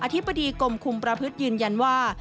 ธิบดีกรมคุมประพฤติยืนยันว่า